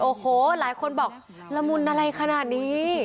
โอ้โหหลายคนบอกละมุนอะไรขนาดนี้